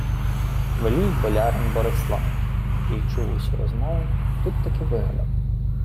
Велій болярин Борислав, який чув усю розмову, тут-таки вигадав: